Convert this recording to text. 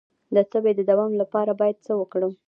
د تبې د دوام لپاره باید څه وکړم؟